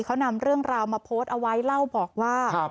เขานำเรื่องราวมาโพสต์เอาไว้เล่าบอกว่า